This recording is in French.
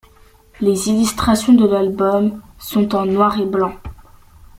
Les illustrations de l'album sont en noir et blanc.